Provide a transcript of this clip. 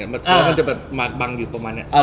เป็นสิ่งที่มาบังอยู่ประมาณเนี่ย